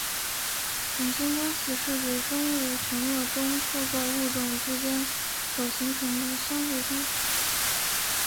种间关系是指生物群落中各个物种之间所形成相互关系。